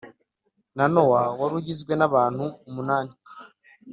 wa Nowa wari ugizwe n abantu umunani